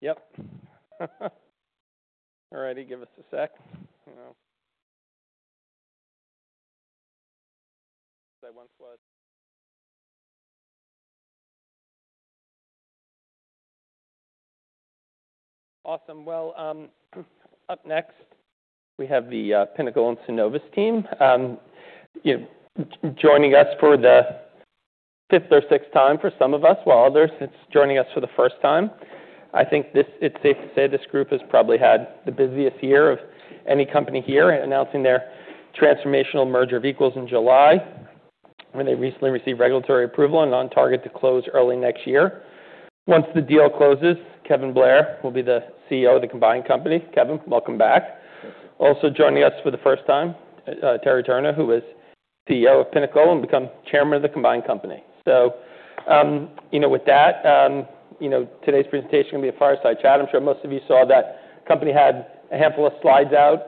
Yep. Alrighty. Give us a sec. Awesome. Well, up next, we have the Pinnacle and Synovus team, you know, joining us for the fifth or sixth time for some of us, while others it's joining us for the first time. I think it's safe to say this group has probably had the busiest year of any company here, announcing their transformational merger of equals in July, where they recently received regulatory approval and are on target to close early next year. Once the deal closes, Kevin Blair will be the CEO of the combined company. Kevin, welcome back. Also joining us for the first time, Terry Turner, who is CEO of Pinnacle and become chairman of the combined company. So, you know, with that, you know, today's presentation's gonna be a fireside chat. I'm sure most of you saw that company had a handful of slides out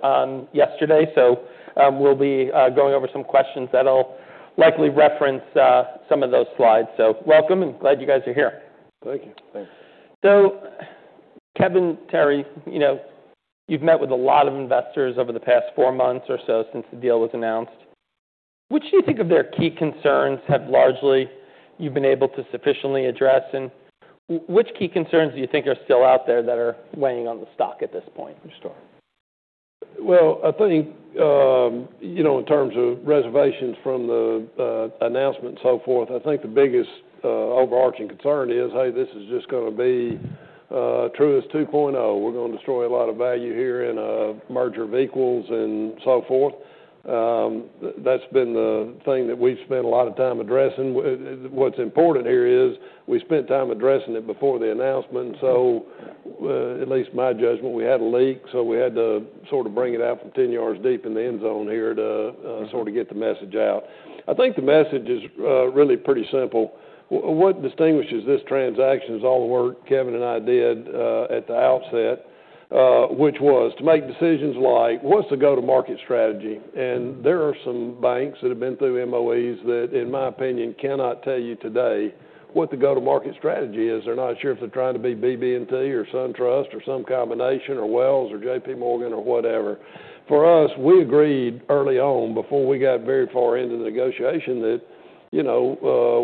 yesterday. So, we'll be going over some questions that'll likely reference some of those slides. So welcome, and glad you guys are here. Thank you. Thanks. So, Kevin, Terry, you know, you've met with a lot of investors over the past four months or so since the deal was announced. Which of their key concerns do you think you've largely been able to sufficiently address? And which key concerns do you think are still out there that are weighing on the stock at this point? The story. Well, I think, you know, in terms of reservations from the announcement and so forth, I think the biggest overarching concern is, "Hey, this is just gonna be Truist 2.0. We're gonna destroy a lot of value here in a merger of equals and so forth." That's been the thing that we've spent a lot of time addressing. What's important here is we spent time addressing it before the announcement. So, at least my judgment, we had a leak, so we had to sort of bring it out from 10 yards deep in the end zone here to sort of get the message out. I think the message is really pretty simple. What distinguishes this transaction is all the work Kevin and I did, at the outset, which was to make decisions like, "What's the go-to-market strategy?" And there are some banks that have been through MOEs that, in my opinion, cannot tell you today what the go-to-market strategy is. They're not sure if they're trying to be BB&T or SunTrust or some combination or Wells or J.P. Morgan or whatever. For us, we agreed early on before we got very far into the negotiation that, you know,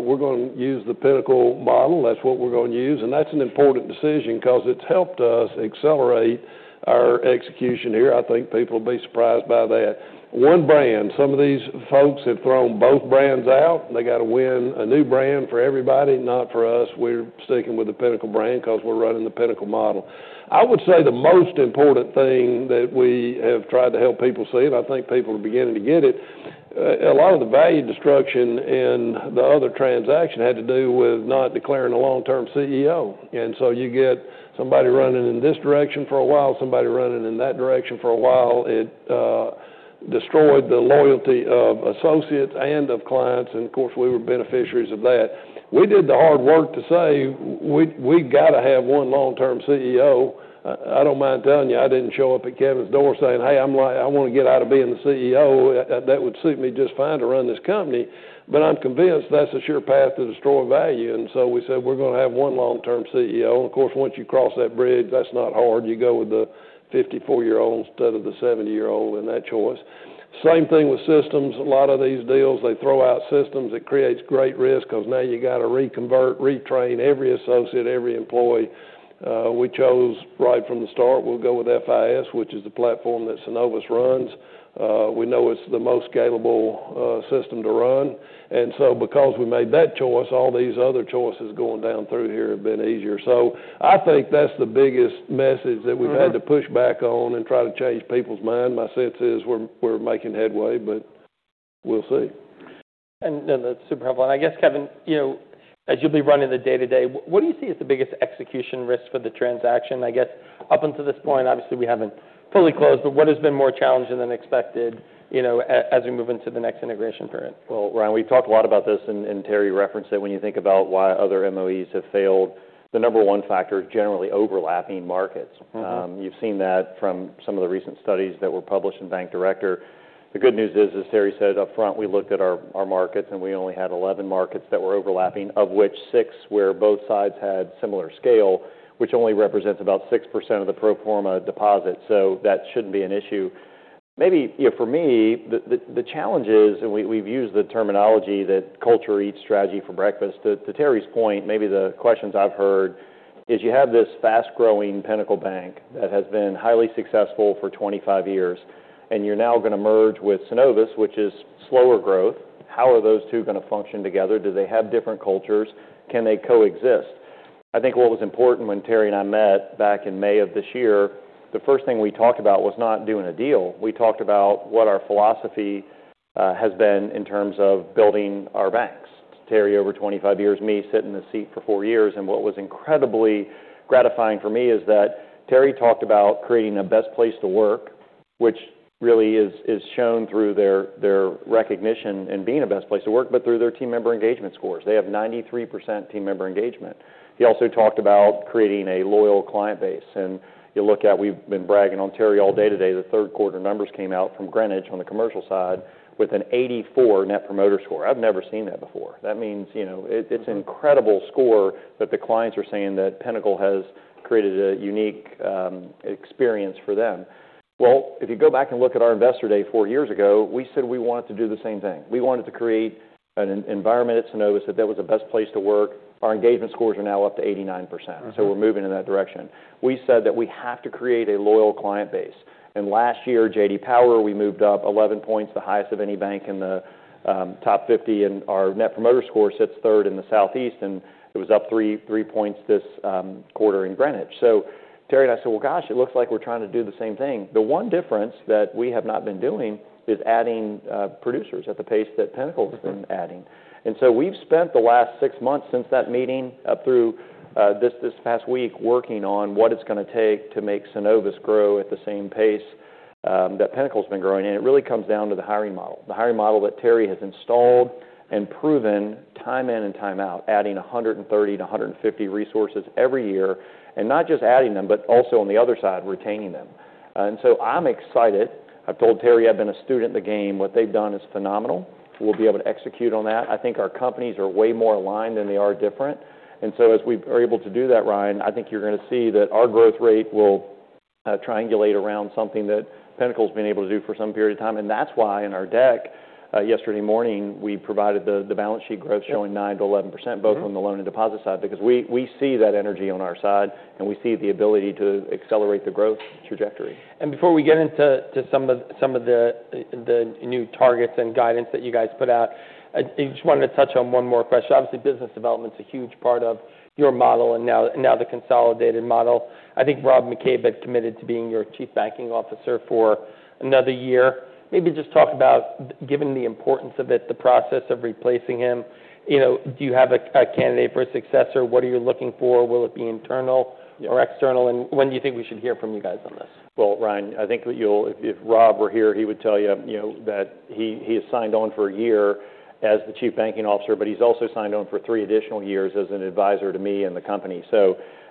we're gonna use the Pinnacle model. That's what we're gonna use. And that's an important decision 'cause it's helped us accelerate our execution here. I think people will be surprised by that. One brand. Some of these folks have thrown both brands out. They gotta win a new brand for everybody, not for us. We're sticking with the Pinnacle brand 'cause we're running the Pinnacle model. I would say the most important thing that we have tried to help people see, and I think people are beginning to get it, a lot of the value destruction in the other transaction had to do with not declaring a long-term CEO. And so you get somebody running in this direction for a while, somebody running in that direction for a while. It destroyed the loyalty of associates and of clients. And of course, we were beneficiaries of that. We did the hard work to say, "We-we-we gotta have one long-term CEO." I don't mind telling you I didn't show up at Kevin's door saying, "Hey, I'm like I wanna get out of being the CEO. That would suit me just fine to run this company." But I'm convinced that's a sure path to destroy value. And so we said, "We're gonna have one long-term CEO." And of course, once you cross that bridge, that's not hard. You go with the 54-year-old instead of the 70-year-old in that choice. Same thing with systems. A lot of these deals, they throw out systems. It creates great risk 'cause now you gotta reconvert, retrain every associate, every employee. We chose right from the start, we'll go with FIS, which is the platform that Synovus runs. We know it's the most scalable system to run. And so because we made that choice, all these other choices going down through here have been easier. So I think that's the biggest message that we've had to push back on and try to change people's mind. My sense is we're making headway, but we'll see. That's super helpful. I guess, Kevin, you know, as you'll be running the day-to-day, what do you see as the biggest execution risk for the transaction? I guess up until this point, obviously, we haven't fully closed, but what has been more challenging than expected, you know, as we move into the next integration period? Ryan, we've talked a lot about this, and Terry referenced it. When you think about why other MOEs have failed, the number one factor is generally overlapping markets. Mm-hmm. You've seen that from some of the recent studies that were published in Bank Director. The good news is, as Terry said upfront, we looked at our markets, and we only had 11 markets that were overlapping, of which 6 were both sides had similar scale, which only represents about 6% of the pro forma deposit. So that shouldn't be an issue. Maybe, you know, for me, the challenge is, and we've used the terminology that culture eats strategy for breakfast. To Terry's point, maybe the questions I've heard is you have this fast-growing Pinnacle Bank that has been highly successful for 25 years, and you're now gonna merge with Synovus, which is slower growth. How are those two gonna function together? Do they have different cultures? Can they coexist? I think what was important when Terry and I met back in May of this year, the first thing we talked about was not doing a deal. We talked about what our philosophy has been in terms of building our banks. Terry, over 25 years, me sitting in the seat for 4 years, and what was incredibly gratifying for me is that Terry talked about creating a best place to work, which really is shown through their recognition in being a best place to work, but through their team member engagement scores. They have 93% team member engagement. He also talked about creating a loyal client base, and you look at we've been bragging on Terry all day today. The third-quarter numbers came out from Greenwich on the commercial side with an 84 Net Promoter Score. I've never seen that before. That means, you know, it's an incredible score that the clients are saying that Pinnacle has created a unique experience for them. Well, if you go back and look at our investor day four years ago, we said we wanted to do the same thing. We wanted to create an environment at Synovus that was the best place to work. Our engagement scores are now up to 89%. Mm-hmm. So we're moving in that direction. We said that we have to create a loyal client base. And last year, J.D. Power, we moved up 11 points, the highest of any bank in the top 50. And our Net Promoter Score sits 3rd in the Southeast, and it was up 3 points this quarter in Greenwich. So Terry and I said, "Well, gosh, it looks like we're trying to do the same thing." The one difference that we have not been doing is adding producers at the pace that Pinnacle has been adding. And so we've spent the last 6 months since that meeting up through this past week working on what it's gonna take to make Synovus grow at the same pace that Pinnacle's been growing. And it really comes down to the hiring model, the hiring model that Terry has installed and proven time in and time out, adding 130-150 resources every year. And not just adding them, but also on the other side, retaining them. And so I'm excited. I've told Terry I've been a student in the game. What they've done is phenomenal. We'll be able to execute on that. I think our companies are way more aligned than they are different. And so as we are able to do that, Ryan, I think you're gonna see that our growth rate will triangulate around something that Pinnacle's been able to do for some period of time. That's why in our deck yesterday morning we provided the balance sheet growth showing 9%-11%, both on the loan and deposit side, because we see that energy on our side, and we see the ability to accelerate the growth trajectory. Before we get into some of the new targets and guidance that you guys put out, I just wanted to touch on one more question. Obviously, business development's a huge part of your model and now the consolidated model. I think Rob McCabe had committed to being your Chief Banking Officer for another year. Maybe just talk about, given the importance of it, the process of replacing him. You know, do you have a candidate for a successor? What are you looking for? Will it be internal? Yeah. Or external? And when do you think we should hear from you guys on this? Ryan, I think that if Rob were here, he would tell you, you know, that he has signed on for a year as the Chief Banking Officer, but he's also signed on for three additional years as an advisor to me and the company.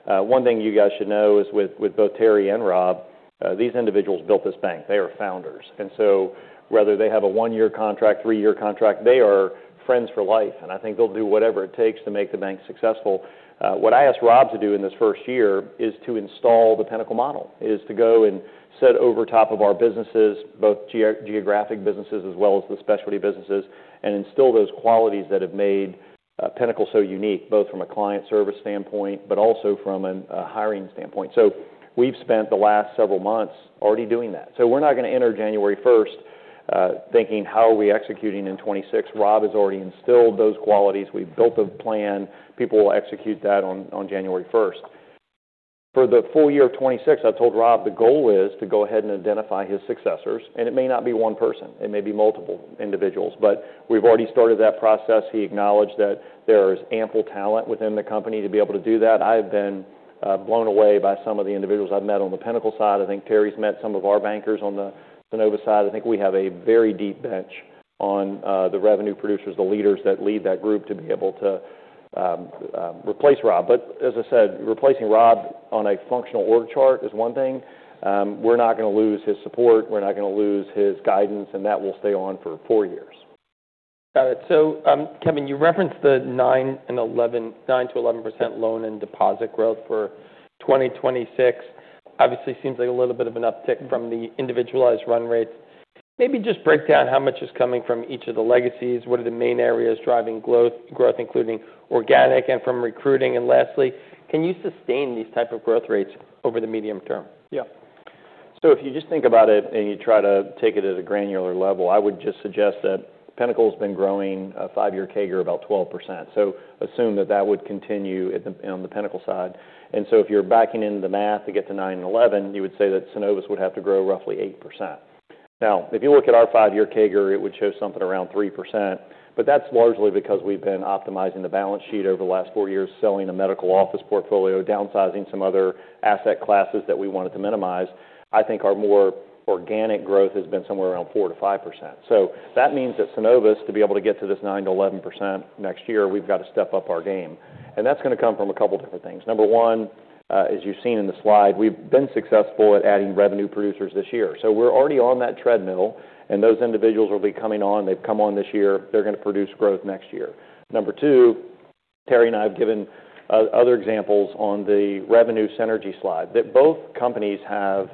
One thing you guys should know is with both Terry and Rob, these individuals built this bank. They are founders. Whether they have a one-year contract, three-year contract, they are friends for life. I think they'll do whatever it takes to make the bank successful. What I asked Rob to do in this first year is to install the Pinnacle model, is to go and set over top of our businesses, both geo-geographic businesses as well as the specialty businesses, and instill those qualities that have made Pinnacle so unique, both from a client service standpoint but also from a hiring standpoint. So we've spent the last several months already doing that. So we're not gonna enter January 1st, thinking, "How are we executing in 2026?" Rob has already instilled those qualities. We've built a plan. People will execute that on January 1st. For the full year of 2026, I've told Rob the goal is to go ahead and identify his successors. It may not be one person. It may be multiple individuals. We've already started that process. He acknowledged that there is ample talent within the company to be able to do that. I have been blown away by some of the individuals I've met on the Pinnacle side. I think Terry's met some of our bankers on the Synovus side. I think we have a very deep bench on the revenue producers, the leaders that lead that group to be able to replace Rob, but as I said, replacing Rob on a functional org chart is one thing. We're not gonna lose his support. We're not gonna lose his guidance, and that will stay on for four years. Got it. So, Kevin, you referenced the 9%-11% loan and deposit growth for 2026. Obviously, seems like a little bit of an uptick from the individualized run rates. Maybe just break down how much is coming from each of the legacies. What are the main areas driving growth, growth including organic and from recruiting? And lastly, can you sustain these type of growth rates over the medium term? Yeah. So if you just think about it and you try to take it at a granular level, I would just suggest that Pinnacle's been growing a 5-year CAGR about 12%. So assume that that would continue on the Pinnacle side. And so if you're backing into the math to get to 9%-11%, you would say that Synovus would have to grow roughly 8%. Now, if you look at our 5-year CAGR, it would show something around 3%. But that's largely because we've been optimizing the balance sheet over the last four years, selling a medical office portfolio, downsizing some other asset classes that we wanted to minimize. I think our more organic growth has been somewhere around 4%-5%. So that means that Synovus, to be able to get to this 9%-11% next year, we've gotta step up our game. That's gonna come from a couple different things. Number one, as you've seen in the slide, we've been successful at adding revenue producers this year. We're already on that treadmill, and those individuals are already coming on. They've come on this year. They're gonna produce growth next year. Number two, Terry and I have given other examples on the revenue synergy slide that both companies have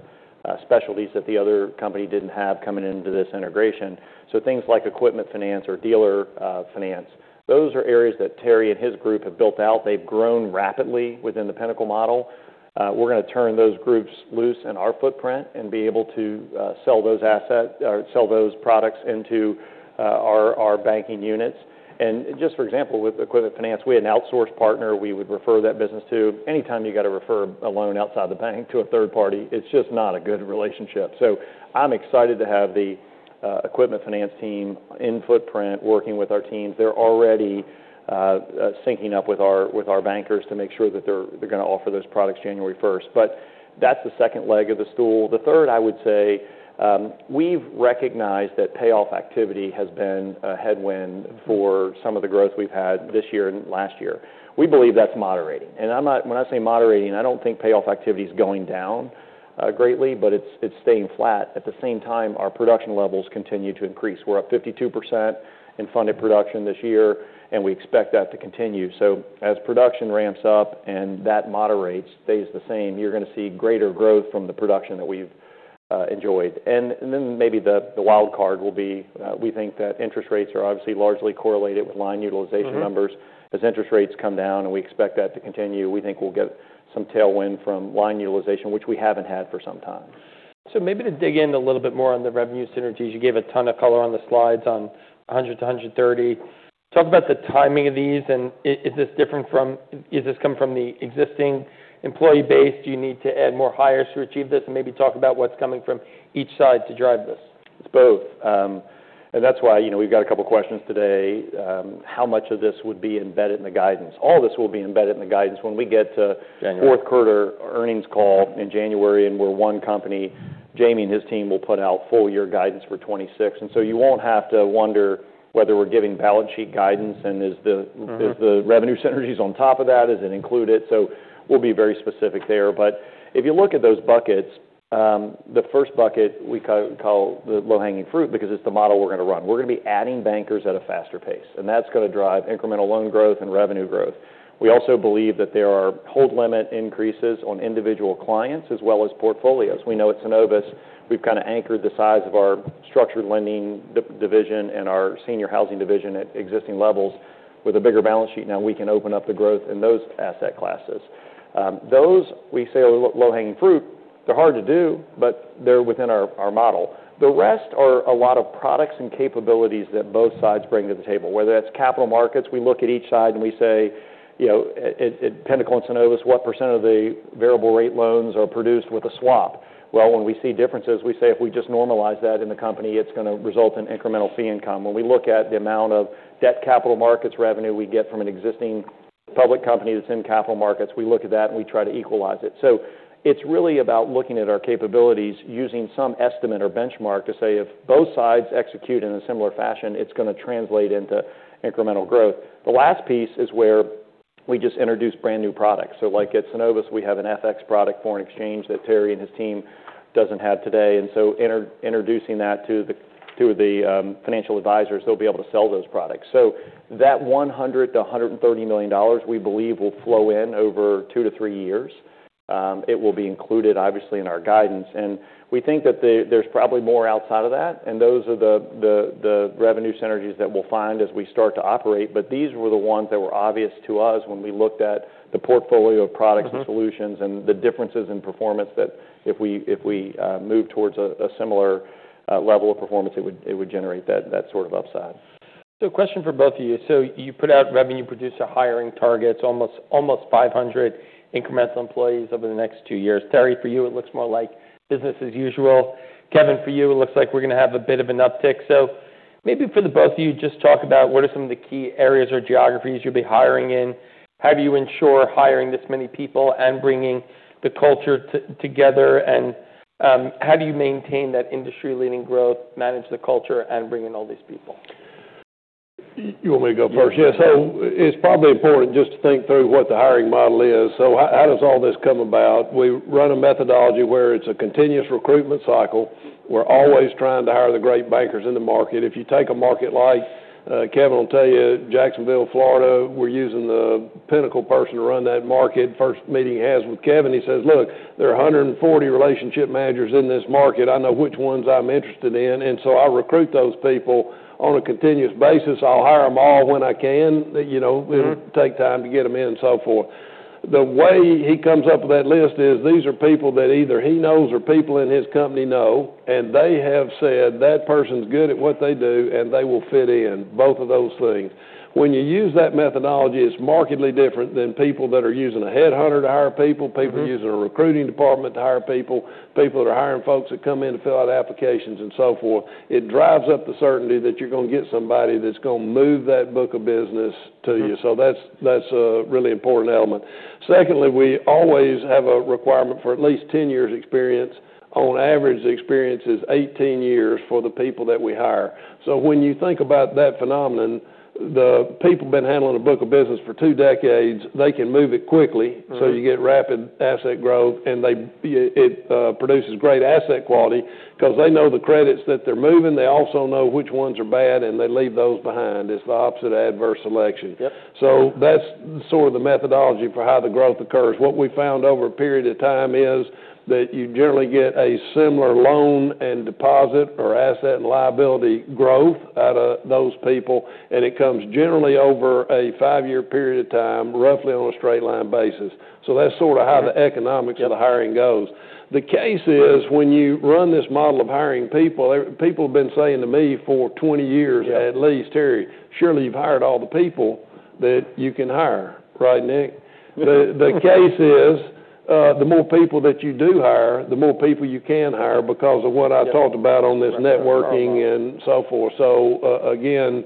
specialties that the other company didn't have coming into this integration. Things like equipment finance or dealer finance, those are areas that Terry and his group have built out. They've grown rapidly within the Pinnacle model. We're gonna turn those groups loose in our footprint and be able to sell those assets or sell those products into our banking units. Just for example, with equipment finance, we had an outsourced partner we would refer that business to. Anytime you gotta refer a loan outside the bank to a third party, it's just not a good relationship, so I'm excited to have the equipment finance team in footprint working with our teams. They're already syncing up with our bankers to make sure that they're gonna offer those products January 1st, but that's the second leg of the stool. The third, I would say, we've recognized that payoff activity has been a headwind for some of the growth we've had this year and last year. We believe that's moderating, and I'm not when I say moderating, I don't think payoff activity's going down greatly, but it's staying flat. At the same time, our production levels continue to increase. We're up 52% in funded production this year, and we expect that to continue. So as production ramps up and that moderates, stays the same, you're gonna see greater growth from the production that we've enjoyed. And then maybe the wild card will be, we think that interest rates are obviously largely correlated with line utilization numbers. Mm-hmm. As interest rates come down, and we expect that to continue, we think we'll get some tailwind from line utilization, which we haven't had for some time. So maybe to dig in a little bit more on the revenue synergies, you gave a ton of color on the slides on 100 to 130. Talk about the timing of these. And is this different from? Is this coming from the existing employee base? Do you need to add more hires to achieve this? And maybe talk about what's coming from each side to drive this. It's both, and that's why, you know, we've got a couple questions today. How much of this would be embedded in the guidance? All this will be embedded in the guidance when we get to. January. Fourth-quarter earnings call in January, and we're one company. Jamie and his team will put out full-year guidance for 2026, and so you won't have to wonder whether we're giving balance sheet guidance and is the. Mm-hmm. Is the revenue synergies on top of that? Does it include it? So we'll be very specific there. But if you look at those buckets, the first bucket we call the low-hanging fruit because it's the model we're gonna run. We're gonna be adding bankers at a faster pace, and that's gonna drive incremental loan growth and revenue growth. We also believe that there are hold limit increases on individual clients as well as portfolios. We know at Synovus, we've kinda anchored the size of our structured lending division and our senior housing division at existing levels with a bigger balance sheet. Now we can open up the growth in those asset classes. Those we say are low-hanging fruit. They're hard to do, but they're within our model. The rest are a lot of products and capabilities that both sides bring to the table, whether that's capital markets. We look at each side and we say, you know, at Pinnacle and Synovus, what percent of the variable-rate loans are produced with a swap? Well, when we see differences, we say if we just normalize that in the company, it's gonna result in incremental fee income. When we look at the amount of debt capital markets revenue we get from an existing public company that's in capital markets, we look at that and we try to equalize it. So it's really about looking at our capabilities, using some estimate or benchmark to say if both sides execute in a similar fashion, it's gonna translate into incremental growth. The last piece is where we just introduce brand new products. So like at Synovus, we have an FX product, foreign exchange, that Terry and his team doesn't have today. Introducing that to the two of the financial advisors, they'll be able to sell those products. That $100-$130 million we believe will flow in over two to three years. It will be included, obviously, in our guidance. We think that there's probably more outside of that. Those are the revenue synergies that we'll find as we start to operate. These were the ones that were obvious to us when we looked at the portfolio of products and solutions and the differences in performance that if we move towards a similar level of performance, it would generate that sort of upside. So a question for both of you. So you put out revenue producer hiring targets, almost 500 incremental employees over the next two years. Terry, for you, it looks more like business as usual. Kevin, for you, it looks like we're gonna have a bit of an uptick. So maybe for the both of you, just talk about what are some of the key areas or geographies you'll be hiring in, how do you ensure hiring this many people and bringing the culture together, and how do you maintain that industry-leading growth, manage the culture, and bring in all these people? You want me to go first? Sure. Yeah. So it's probably important just to think through what the hiring model is. So how does all this come about? We run a methodology where it's a continuous recruitment cycle. We're always trying to hire the great bankers in the market. If you take a market like, Kevin, I'll tell you, Jacksonville, Florida, we're using the Pinnacle person to run that market. First meeting he has with Kevin, he says, "Look, there are 140 relationship managers in this market. I know which ones I'm interested in." And so I recruit those people on a continuous basis. I'll hire them all when I can, you know, and. Mm-hmm. Take time to get them in and so forth. The way he comes up with that list is these are people that either he knows or people in his company know, and they have said that person's good at what they do, and they will fit in both of those things. When you use that methodology, it's markedly different than people that are using a headhunter to hire people. Mm-hmm. People using a recruiting department to hire people, people that are hiring folks that come in to fill out applications and so forth. It drives up the certainty that you're gonna get somebody that's gonna move that book of business to you. Mm-hmm. So that's, that's a really important element. Secondly, we always have a requirement for at least 10 years experience. On average, the experience is 18 years for the people that we hire. So when you think about that phenomenon, the people been handling a book of business for 2 decades, they can move it quickly. Mm-hmm. So you get rapid asset growth, and it produces great asset quality 'cause they know the credits that they're moving. They also know which ones are bad, and they leave those behind. It's the opposite of adverse selection. Yep. So that's sort of the methodology for how the growth occurs. What we found over a period of time is that you generally get a similar loan and deposit or asset and liability growth out of those people, and it comes generally over a five-year period of time, roughly on a straight-line basis. So that's sort of how the economics of the hiring goes. Yeah. The case is when you run this model of hiring people, every people have been saying to me for 20 years. Yeah. At least, "Terry, surely you've hired all the people that you can hire, right, Rick? Mm-hmm. The case is, the more people that you do hire, the more people you can hire because of what I talked about on this networking and so forth. Mm-hmm. So, again,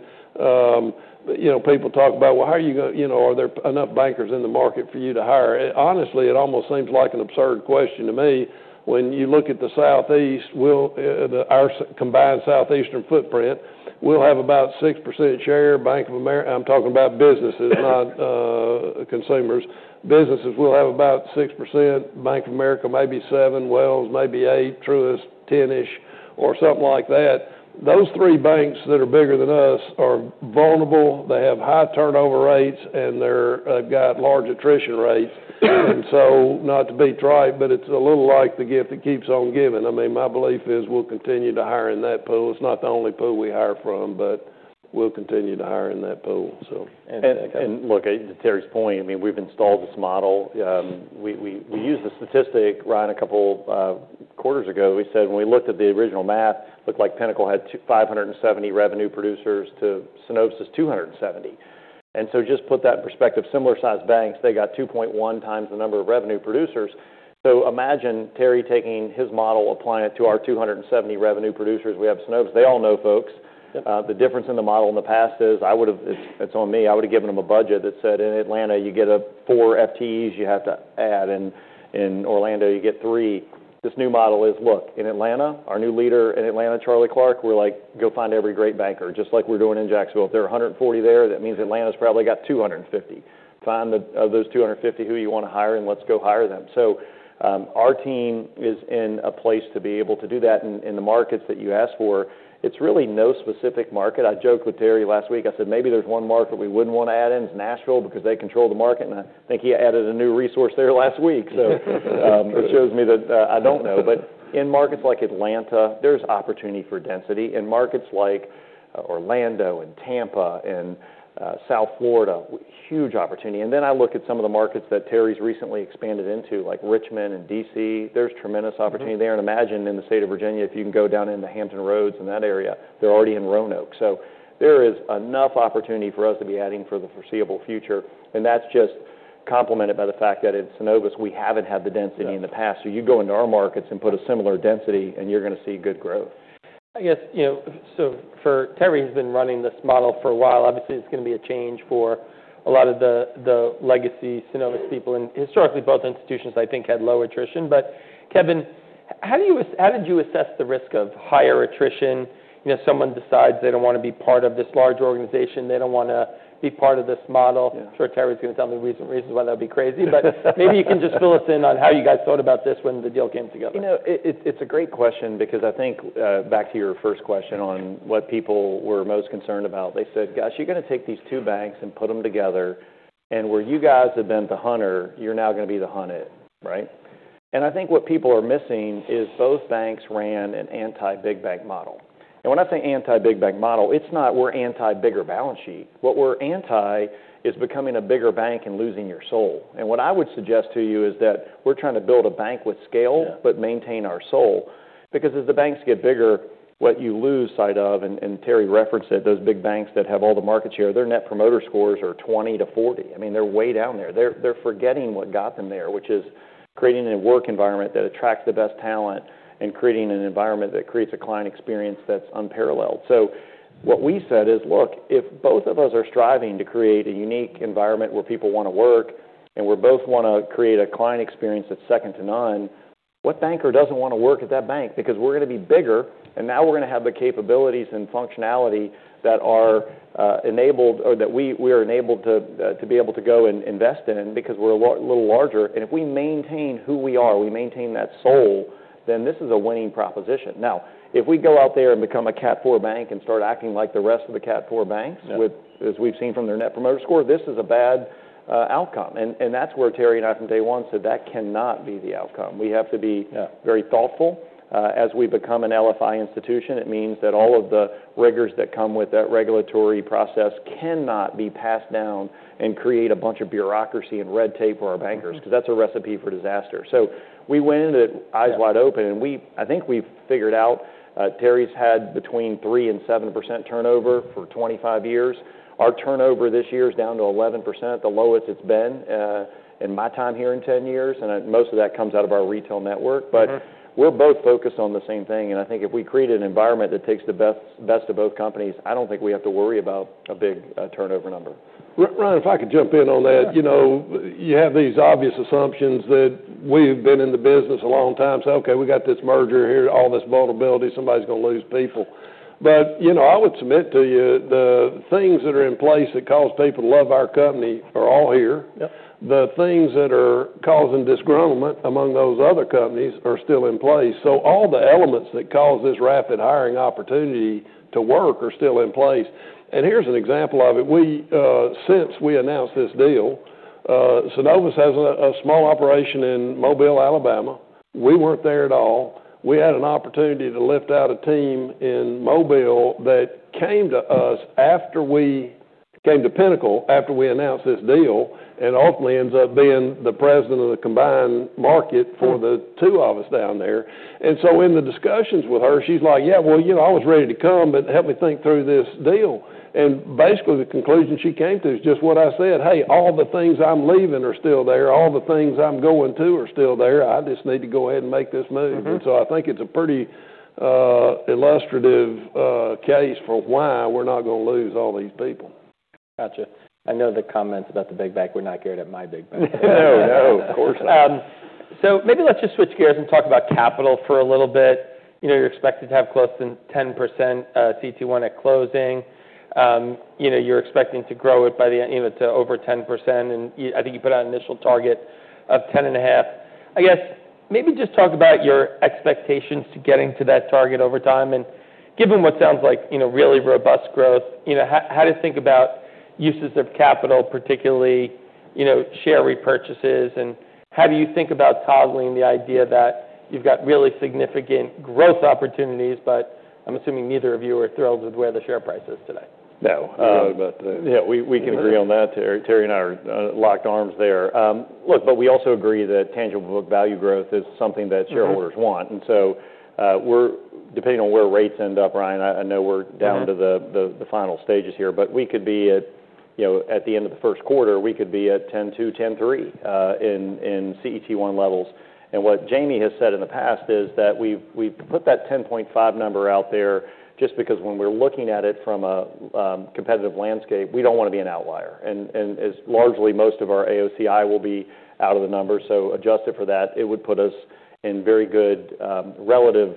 you know, people talk about, "Well, how are you gonna you know, are there enough bankers in the market for you to hire?" And honestly, it almost seems like an absurd question to me. When you look at the Southeast, well, our combined Southeastern footprint, we'll have about 6% share. Bank of America. I'm talking about businesses, not consumers. Mm-hmm. Businesses will have about 6%. Bank of America, maybe 7%, Wells Fargo maybe 8%, Truist 10-ish%, or something like that. Those three banks that are bigger than us are vulnerable. They have high turnover rates, and they've got large attrition rates. So not to be trite, but it's a little like the gift that keeps on giving. I mean, my belief is we'll continue to hire in that pool. It's not the only pool we hire from, but we'll continue to hire in that pool, so. And look, to Terry's point, I mean, we've installed this model. We used a statistic, Ryan, a couple quarters ago. We said when we looked at the original math, it looked like Pinnacle had 2,570 revenue producers to Synovus' 270. And so just put that in perspective, similar-sized banks, they got 2.1 times the number of revenue producers. So imagine Terry taking his model, applying it to our 270 revenue producers. We have Synovus. They all know folks. Yep. The difference in the model in the past is I would've. It's on me. I would've given them a budget that said, "In Atlanta, you get four FTEs. You have to add. And in Orlando, you get three." This new model is, "Look, in Atlanta, our new leader in Charlie Clark, we're like, 'Go find every great banker,' just like we're doing in Jacksonville. If there are 140 there, that means Atlanta's probably got 250. Find the best of those 250 who you wanna hire, and let's go hire them." So, our team is in a place to be able to do that. And in the markets that you asked for, it's really no specific market. I joked with Terry last week. I said, "Maybe there's one market we wouldn't wanna add in. It's Nashville because they control the market." And I think he added a new resource there last week. So, it shows me that, I don't know. But in markets like Atlanta, there's opportunity for density. In markets like Orlando and Tampa and South Florida, huge opportunity. And then I look at some of the markets that Terry's recently expanded into, like Richmond and DC. There's tremendous opportunity there. And imagine in the state of Virginia, if you can go down into Hampton Roads and that area, they're already in Roanoke. So there is enough opportunity for us to be adding for the foreseeable future. And that's just complemented by the fact that in Synovus, we haven't had the density in the past. So you go into our markets and put a similar density, and you're gonna see good growth. I guess, you know, so for Terry, he's been running this model for a while. Obviously, it's gonna be a change for a lot of the, the legacy Synovus people. And historically, both institutions, I think, had low attrition. But Kevin, how did you assess the risk of higher attrition? You know, someone decides they don't wanna be part of this large organization. They don't wanna be part of this model. Yeah. I'm sure Terry's gonna tell me reasons why that'd be crazy. But maybe you can just fill us in on how you guys thought about this when the deal came together. You know, it's a great question because I think, back to your first question on what people were most concerned about. They said, "Gosh, you're gonna take these two banks and put them together. And where you guys have been the hunter, you're now gonna be the hunted," right? And I think what people are missing is both banks ran an anti-big bank model. And when I say anti-big bank model, it's not we're anti-bigger balance sheet. What we're anti is becoming a bigger bank and losing your soul. And what I would suggest to you is that we're trying to build a bank with scale. Yeah. But maintain our soul because as the banks get bigger, what you lose sight of, and, and Terry referenced it, those big banks that have all the market share, their Net Promoter Scores are 20-40. I mean, they're way down there. They're, they're forgetting what got them there, which is creating a work environment that attracts the best talent and creating an environment that creates a client experience that's unparalleled. So what we said is, "Look, if both of us are striving to create a unique environment where people wanna work and we both wanna create a client experience that's second to none, what banker doesn't wanna work at that bank? Because we're gonna be bigger, and now we're gonna have the capabilities and functionality that are, enabled or that we, we are enabled to, to be able to go and invest in because we're a little larger. If we maintain who we are, we maintain that soul, then this is a winning proposition. Now, if we go out there and become a Cat 4 bank and start acting like the rest of the Cat 4 banks. Yeah. With, as we've seen from their Net Promoter Score, this is a bad outcome. And that's where Terry and I, from day one, said that cannot be the outcome. We have to be. Yeah. Very thoughtful. As we become an LFI institution, it means that all of the rigors that come with that regulatory process cannot be passed down and create a bunch of bureaucracy and red tape for our bankers. Mm-hmm. 'Cause that's a recipe for disaster. So we went in with eyes wide open, and I think we've figured out. Terry's had between 3%-7% turnover for 25 years. Our turnover this year's down to 11%, the lowest it's been in my time here in 10 years, and most of that comes out of our retail network. Mm-hmm. But we're both focused on the same thing. And I think if we create an environment that takes the best, best of both companies, I don't think we have to worry about a big, turnover number. Right. If I could jump in on that. Yeah. You know, you have these obvious assumptions that we've been in the business a long time. Say, "Okay, we got this merger here. All this vulnerability. Somebody's gonna lose people." But, you know, I would submit to you, the things that are in place that cause people to love our company are all here. Yep. The things that are causing disgruntlement among those other companies are still in place. So all the elements that cause this rapid hiring opportunity to work are still in place. And here's an example of it. We, since we announced this deal, Synovus has a small operation in Mobile, Alabama. We weren't there at all. We had an opportunity to lift out a team in Mobile that came to us after we came to Pinnacle after we announced this deal and ultimately ends up being the president of the combined market for the two of us down there. And so in the discussions with her, she's like, "Yeah, well, you know, I was ready to come, but help me think through this deal." And basically, the conclusion she came to is just what I said, "Hey, all the things I'm leaving are still there. All the things I'm going to are still there. I just need to go ahead and make this move. Mm-hmm. And so I think it's a pretty illustrative case for why we're not gonna lose all these people. Gotcha. I know the comments about the big bank. We're not getting it, my big bank. No, no. Of course not. So maybe let's just switch gears and talk about capital for a little bit. You know, you're expected to have close to 10% CET1 at closing. You know, you're expecting to grow it by the end, you know, to over 10%. And you I think you put out an initial target of 10.5%. I guess maybe just talk about your expectations to getting to that target over time. And given what sounds like, you know, really robust growth, you know, how, how to think about uses of capital, particularly, you know, share repurchases. And how do you think about toggling the idea that you've got really significant growth opportunities, but I'm assuming neither of you are thrilled with where the share price is today? No. I'm sorry about that. Yeah. We can agree on that, Terry. Yeah. Terry and I are locked arms there. Look, but we also agree that tangible book value growth is something that shareholders want. Mm-hmm. And so, we're depending on where rates end up, Ryan. I know we're down to the final stages here, but we could be at, you know, at the end of the first quarter, we could be at 10.2%-10.3% in CET1 levels. And what Jamie has said in the past is that we've put that 10.5% number out there just because when we're looking at it from a competitive landscape, we don't wanna be an outlier. And as largely most of our AOCI will be out of the numbers. So adjusted for that, it would put us in very good relative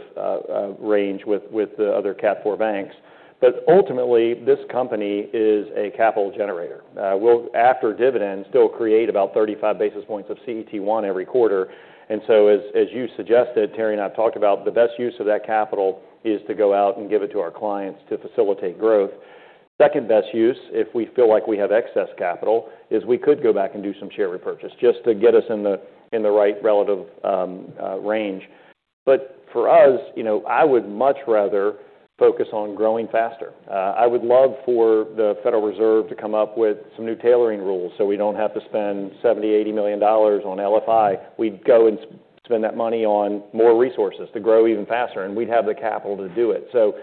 range with the other Cat 4 banks. But ultimately, this company is a capital generator. We'll after dividends still create about 35 basis points of CET1 every quarter. And so as you suggested, Terry and I have talked about, the best use of that capital is to go out and give it to our clients to facilitate growth. Second best use, if we feel like we have excess capital, is we could go back and do some share repurchase just to get us in the right relative range. But for us, you know, I would much rather focus on growing faster. I would love for the Federal Reserve to come up with some new tailoring rules so we don't have to spend $70-$80 million on LFI. We'd go and spend that money on more resources to grow even faster, and we'd have the capital to do it. So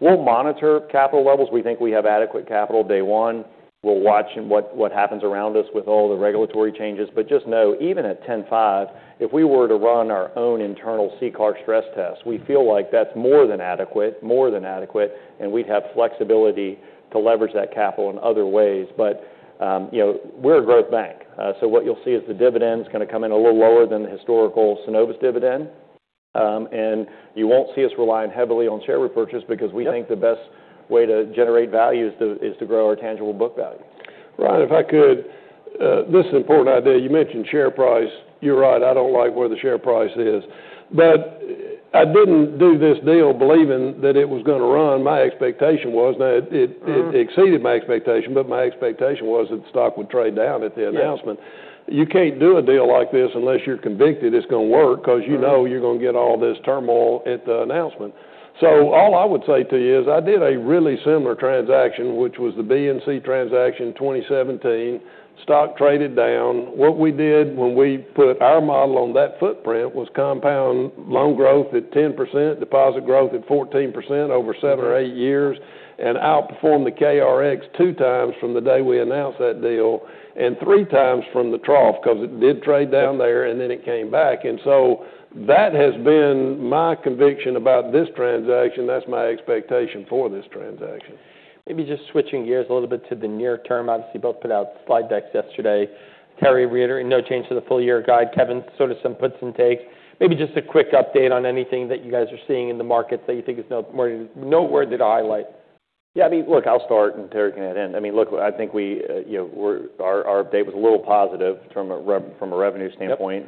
we'll monitor capital levels. We think we have adequate capital day one. We'll watch what happens around us with all the regulatory changes. But just know, even at 10.5%, if we were to run our own internal CCAR stress test, we feel like that's more than adequate, more than adequate, and we'd have flexibility to leverage that capital in other ways. But, you know, we're a growth bank. So what you'll see is the dividend's gonna come in a little lower than the historical Synovus dividend. And you won't see us relying heavily on share repurchase because we think. Right. The best way to generate value is to grow our tangible book value. Ryan, if I could, this is an important idea. You mentioned share price. You're right. I don't like where the share price is. But I didn't do this deal believing that it was gonna run. My expectation was, now, it. Mm-hmm. Exceeded my expectation, but my expectation was that the stock would trade down at the announcement. Yeah. You can't do a deal like this unless you're convicted it's gonna work 'cause you know. Mm-hmm. You're gonna get all this turmoil at the announcement. So all I would say to you is I did a really similar transaction, which was the BNC transaction 2017. Stock traded down. What we did when we put our model on that footprint was compound loan growth at 10%, deposit growth at 14% over seven or eight years, and outperformed the KRX two times from the day we announced that deal and three times from the trough 'cause it did trade down there and then it came back. And so that has been my conviction about this transaction. That's my expectation for this transaction. Maybe just switching gears a little bit to the near term. Obviously, both put out slide decks yesterday. Terry reiterated no change to the full-year guide. Kevin sort of some puts and takes. Maybe just a quick update on anything that you guys are seeing in the markets that you think is noteworthy to highlight. Yeah. I mean, look, I'll start, and Terry can add in. I mean, look, I think we, you know, our update was a little positive from a revenue standpoint.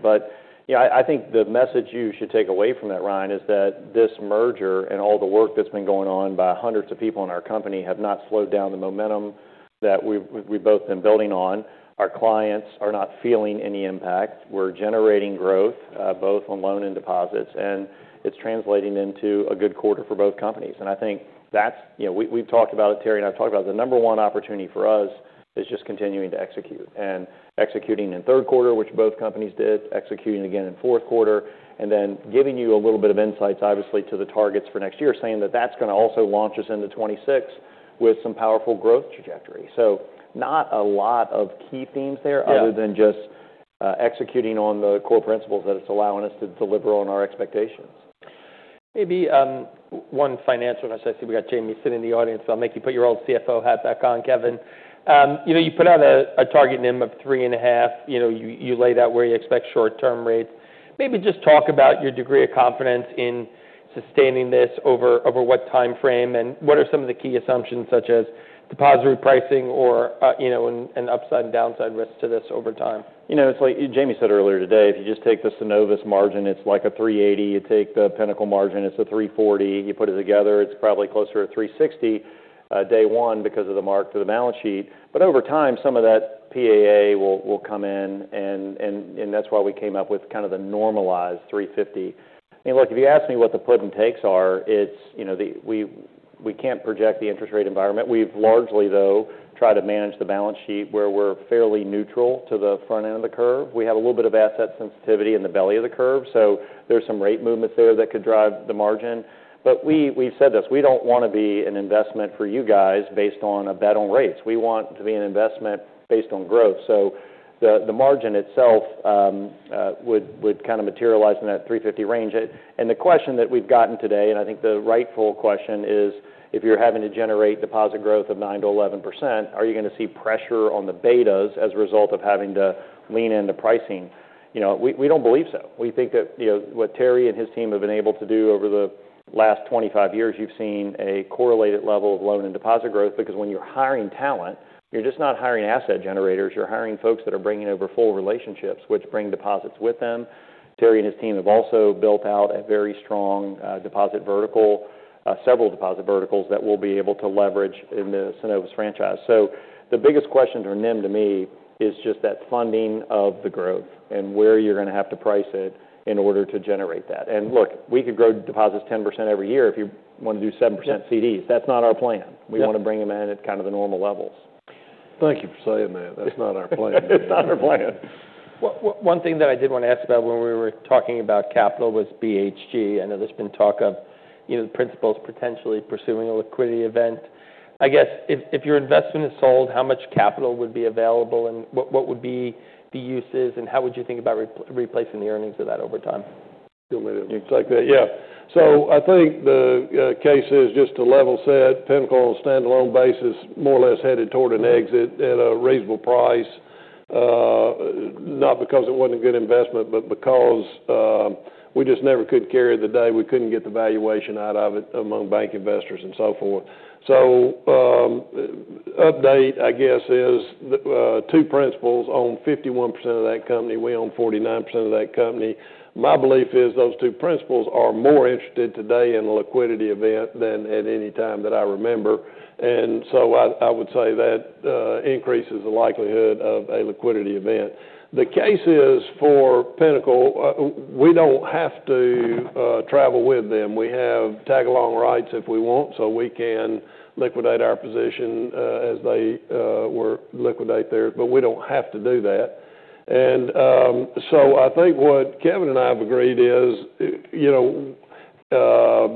Yeah. You know, I think the message you should take away from that, Ryan, is that this merger and all the work that's been going on by hundreds of people in our company have not slowed down the momentum that we've both been building on. Our clients are not feeling any impact. We're generating growth, both on loan and deposits, and it's translating into a good quarter for both companies. I think that's, you know, we've talked about it, Terry and I've talked about it. The number one opportunity for us is just continuing to execute and executing in third quarter, which both companies did, executing again in fourth quarter, and then giving you a little bit of insights, obviously, to the targets for next year, saying that that's gonna also launch us into 2026 with some powerful growth trajectory. So not a lot of key themes there. Yeah. Other than just executing on the core principles that it's allowing us to deliver on our expectations. Maybe one financial necessity. We got Jamie sitting in the audience. I'll make you put your old CFO hat back on, Kevin. You know, you put out a target NIM of 3.5%. You know, you laid out where you expect short-term rates. Maybe just talk about your degree of confidence in sustaining this over what time frame, and what are some of the key assumptions such as depository pricing or, you know, and upside and downside risks to this over time? You know, it's like Jamie said earlier today, if you just take the Synovus margin, it's like a 380. You take the Pinnacle margin, it's a 340. You put it together, it's probably closer to 360, day one because of the mark to the balance sheet. But over time, some of that PAA will come in, and that's why we came up with kind of the normalized 350. I mean, look, if you ask me what the puts and takes are, it's, you know, we can't project the interest rate environment. We've largely, though, tried to manage the balance sheet where we're fairly neutral to the front end of the curve. We have a little bit of asset sensitivity in the belly of the curve. So there's some rate movements there that could drive the margin. But we've said this, we don't wanna be an investment for you guys based on a bet on rates. We want to be an investment based on growth. So the margin itself would kinda materialize in that 350 range. And the question that we've gotten today, and I think the rightful question is, if you're having to generate deposit growth of 9%-11%, are you gonna see pressure on the betas as a result of having to lean into pricing? You know, we don't believe so. We think that, you know, what Terry and his team have been able to do over the last 25 years, you've seen a correlated level of loan and deposit growth because when you're hiring talent, you're just not hiring asset generators. You're hiring folks that are bringing over full relationships, which bring deposits with them. Terry and his team have also built out a very strong deposit vertical, several deposit verticals that we'll be able to leverage in the Synovus franchise. So the biggest question or NIM to me is just that funding of the growth and where you're gonna have to price it in order to generate that. And look, we could grow deposits 10% every year if you wanna do 7% CDs. That's not our plan. Yeah. We wanna bring them in at kind of the normal levels. Thank you for saying that. That's not our plan. That's not our plan. One thing that I did wanna ask about when we were talking about capital was BHG. I know there's been talk of, you know, the principals potentially pursuing a liquidity event. I guess if your investment is sold, how much capital would be available, and what would be the uses, and how would you think about replacing the earnings of that over time? Still, you expect that, yeah. Yeah. I think the case is just to level set Pinnacle on a standalone basis, more or less headed toward an exit at a reasonable price, not because it wasn't a good investment, but because we just never could carry the day. We couldn't get the valuation out of it among bank investors and so forth. So the update, I guess, is the two principals own 51% of that company. We own 49% of that company. My belief is those two principals are more interested today in a liquidity event than at any time that I remember. And so I would say that increases the likelihood of a liquidity event. The case is for Pinnacle. We don't have to travel with them. We have tag-along rights if we want so we can liquidate our position, as they liquidate theirs, but we don't have to do that. And, so I think what Kevin and I have agreed is, you know,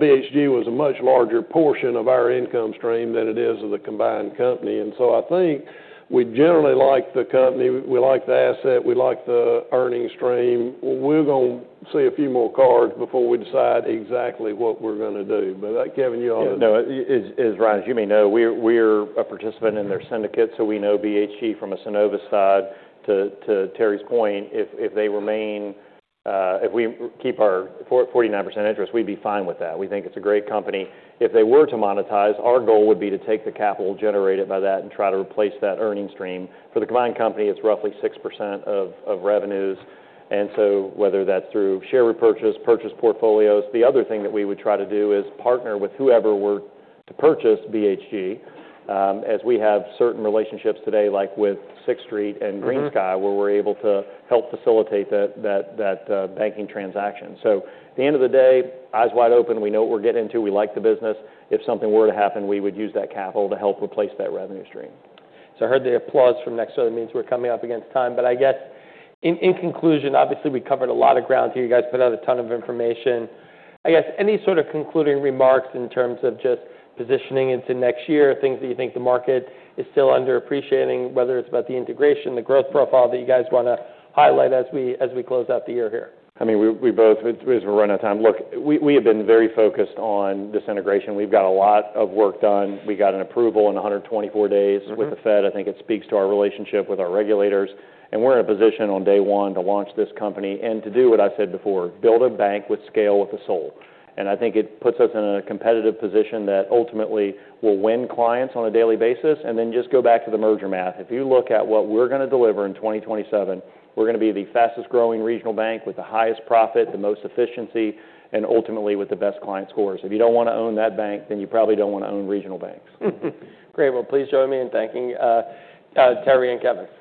BHG was a much larger portion of our income stream than it is of the combined company. And so I think we generally like the company. We like the asset. We like the earnings stream. We're gonna see a few more cards before we decide exactly what we're gonna do. But, Kevin, you ought to. Yeah. No, Ryan, as you may know, we're a participant in their syndicate, so we know BHG from a Synovus side to Terry's point, if they remain, if we keep our 4.49% interest, we'd be fine with that. We think it's a great company. If they were to monetize, our goal would be to take the capital, generate it by that, and try to replace that earnings stream. For the combined company, it's roughly 6% of revenues. Whether that's through share repurchase, purchase portfolios, the other thing that we would try to do is partner with whoever were to purchase BHG, as we have certain relationships today, like with Sixth Street and GreenSky, where we're able to help facilitate that banking transaction. So at the end of the day, eyes wide open. We know what we're getting into. We like the business. If something were to happen, we would use that capital to help replace that revenue stream. So I heard the applause from next door. That means we're coming up against time. But I guess in conclusion, obviously, we covered a lot of ground here. You guys put out a ton of information. I guess any sort of concluding remarks in terms of just positioning into next year, things that you think the market is still underappreciating, whether it's about the integration, the growth profile that you guys wanna highlight as we, as we close out the year here? I mean, we both, as we're running out of time, look, we have been very focused on this integration. We've got a lot of work done. We got an approval in 124 days. Mm-hmm. With the Fed, I think it speaks to our relationship with our regulators, and we're in a position on day one to launch this company and to do what I said before, build a bank with scale with a soul, and I think it puts us in a competitive position that ultimately will win clients on a daily basis, and then just go back to the merger math. If you look at what we're gonna deliver in 2027, we're gonna be the fastest-growing regional bank with the highest profit, the most efficiency, and ultimately with the best client scores. If you don't wanna own that bank, then you probably don't wanna own regional banks. Great. Well, please join me in thanking Terry and Kevin.